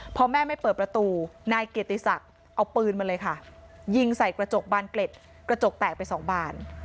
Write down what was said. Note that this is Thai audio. พอแม่ไม่เปิดประตูนายเกียรติศักดิ์เอาปืนมาเลยค่ะยิงใส่กระจกบานเกล็ดกระจกแตกไปสองบาน